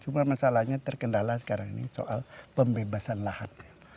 cuma masalahnya terkendala sekarang ini soal pembebasan lahan